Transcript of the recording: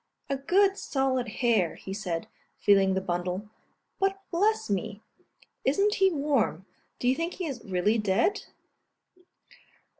"A good solid hare," he said, feeling the bundle; "but bless me, isn't he warm? Do you think he is really dead?"